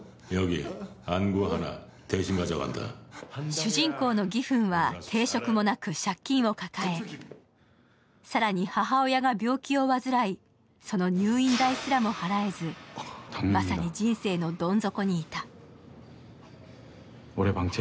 主人公のギフンは定職もなく借金を抱え、更に母親が病気を患いその入院代すらも払えず、まさに人生のどん底にいた。